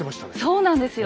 そうなんですよ。